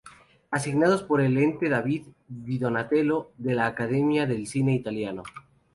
Asignados por el Ente David di Donatello de la Academia del Cine Italiano.